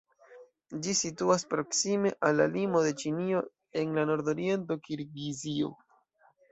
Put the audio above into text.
Ĝi situas proksime al la limo de Ĉinio en la nordoriento de Kirgizio.